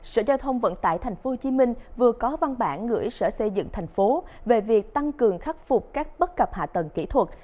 sở giao thông vận tải tp hcm vừa có văn bản gửi sở xây dựng thành phố về việc tăng cường khắc phục các bất cập hạ tầng kỹ thuật